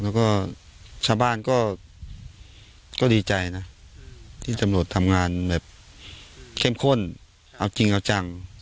แล้วก็ชาวบ้านก็ดีใจนะที่ตำรวจทำงานแบบเข้มข้นเอาจริงเอาจัง